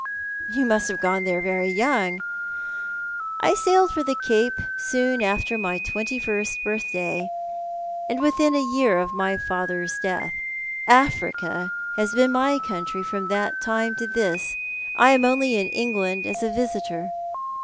" You must have gone there very young." " I sailed for the Cape soon after my twenty first birthday, and within a year of my father's death. Africa has been my country from that time to this. I am only in England as a visitor."